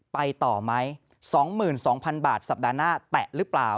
ไปต่อไหม๒๒๐๐๐บาทสัปดาห์หน้าแตะหรือเปล่า